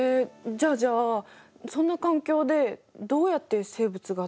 じゃあじゃあそんな環境でどうやって生物が誕生したの？